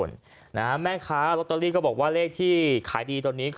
เรามาดูว่าเลขอะไรนะ